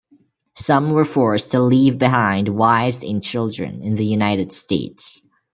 Some were forced to leave behind wives and children in the United States.